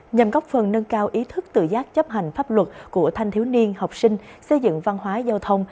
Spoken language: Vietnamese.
nhằm góp phần nâng cao ý thức tự giác chấp hành pháp luật của thanh thiếu niên học sinh xây dựng văn hóa giao thông